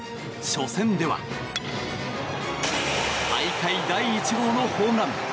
初戦では大会第１号のホームラン。